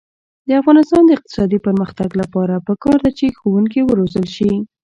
د افغانستان د اقتصادي پرمختګ لپاره پکار ده چې ښوونکي وروزل شي.